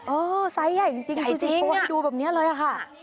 เออไซส์ใหญ่จริงดูแบบนี้เลยอะค่ะ